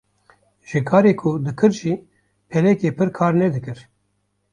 Ji karê ku dikir jî perekî pir kar nedikir